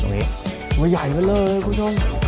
นี้ตัวใหญ่มาเลยคุณผู้ชม